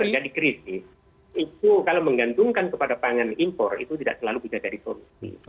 jadi kalau menjadi krisis itu kalau menggantungkan kepada pangan impor itu tidak selalu bisa jadi solusi